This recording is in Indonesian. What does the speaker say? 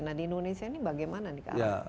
nah di indonesia ini bagaimana dikarenakan